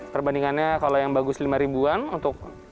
perbandingannya kalau yang bagus lima ribuan untuk